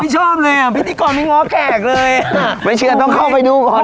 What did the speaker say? ชอบเลยอ่ะพิธีกรไม่ง้อแขกเลยไม่เชื่อต้องเข้าไปดูก่อน